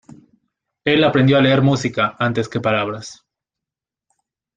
Él aprendió a leer música, antes que palabras.